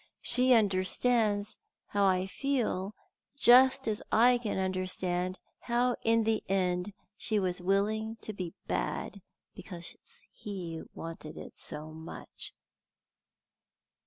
She understands how I feel just as I can understand how in the end she was willing to be bad because he wanted it so much."